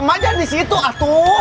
mak jangan di situ atu